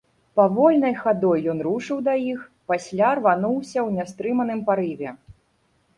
Павольнай хадой ён рушыў да іх, пасля рвануўся ў нястрыманым парыве.